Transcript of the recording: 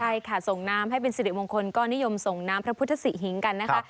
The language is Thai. ใช่ค่ะส่งน้ำให้เป็นสิริมงคลก็นิยมส่งน้ำพระพุทธศิหิงกันนะคะ